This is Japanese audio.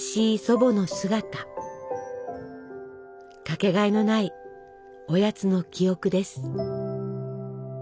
掛けがえのないおやつの記憶です。